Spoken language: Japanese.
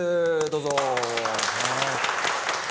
どうぞ。